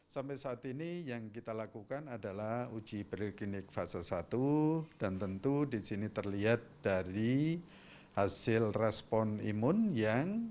sampai saat ini yang kita lakukan adalah uji preklinik fase satu dan tentu di sini terlihat dari hasil respon imun yang